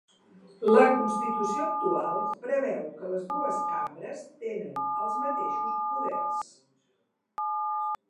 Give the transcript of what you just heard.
La constitució actual preveu que les dues cambres tenen els mateixos poders.